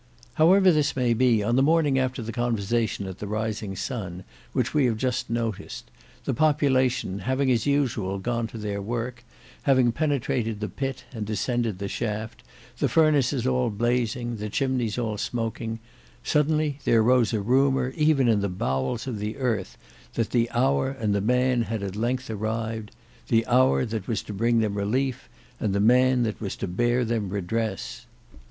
However this may be, on the morning after the conversation at the Rising Sun which we have just noticed, the population having as usual gone to their work, having penetrated the pit and descended the shaft, the furnaces all blazing, the chimneys all smoking,—suddenly there rose a rumour even in the bowels of the earth, that the hour and the man had at length arrived; the hour that was to bring them relief and the man that was to bear them redress.